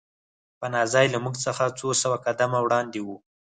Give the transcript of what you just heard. پناه ځای له موږ څخه څو سوه قدمه وړاندې و